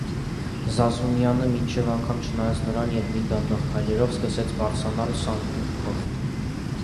Զազունյանը մինչև անգամ չնայեց նրան և նույն դանդաղ քայլերով սկսեց բարձրանալ սանդուղքով: